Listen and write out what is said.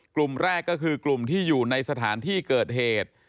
กลุ่มแรกก็คือกลุ่มที่อยู่ในสถานที่เกิดเหตุ